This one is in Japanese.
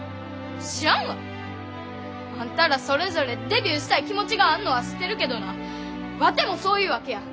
知らんわ！あんたらそれぞれデビューしたい気持ちがあんのは知ってるけどなワテもそういうわけや！